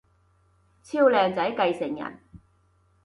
超靚仔繼承人